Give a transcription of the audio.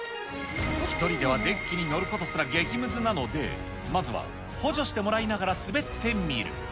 １人ではデッキに乗ることすら激むずなので、まずは、補助してもらいながら滑ってみる。